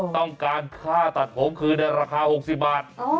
ต้องการค่าตัดผมคืนในราคา๖๐บาท